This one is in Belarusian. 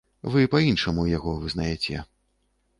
Вы па-іншаму яго вызнаяце.